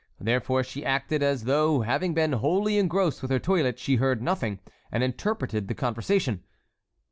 Therefore she acted as though, having been wholly engrossed with her toilet, she had heard nothing, and interrupted the conversation.